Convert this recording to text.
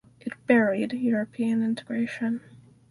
It buried European integration.